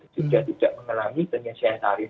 sudah tidak mengalami penyelesaian tarif